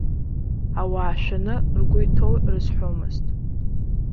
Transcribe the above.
Ауаа шәаны ргәы иҭоу рызҳәомызт.